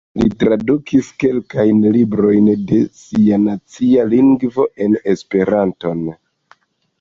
Li tradukis kelkajn librojn de sia nacia lingvo en Esperanton.